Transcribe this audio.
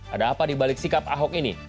ada apa dibalik sikap ahok ini